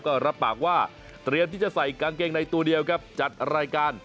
ก็รับปากว่าเตรียมที่จะใส่กางเกงในตัวเดียวครับจัดรายการ